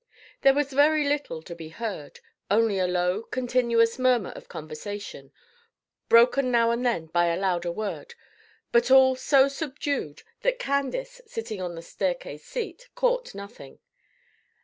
There was very little to be heard, only a low, continuous murmur of conversation, broken now and then by a louder word; but all so subdued that Candace, sitting on the staircase seat, caught nothing.